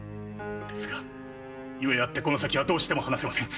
ですが故あってこの先はどうしても話せません。